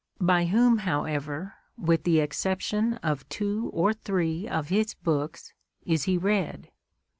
By whom, however, with the exception of two or three of his books, is he read?